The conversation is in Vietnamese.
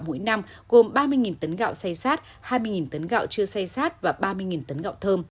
mỗi năm gồm ba mươi tấn gạo say sát hai mươi tấn gạo chưa say sát và ba mươi tấn gạo thơm